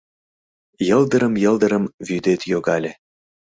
Йылдырым-йылдырым вӱдет йогале